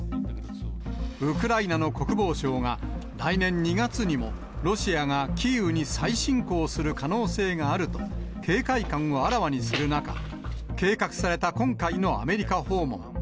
ウクライナの国防相が、来年２月にも、ロシアがキーウに再侵攻する可能性があると、警戒感をあらわにする中、計画された今回のアメリカ訪問。